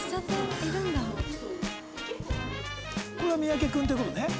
「これは三宅君っていう事ね？」